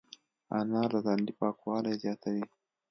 انار د تندي پاکوالی زیاتوي.